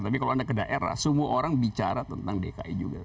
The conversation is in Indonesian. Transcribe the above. tapi kalau anda ke daerah semua orang bicara tentang dki juga